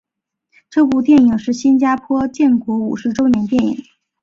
这部电影是新加坡建国五十周年电影。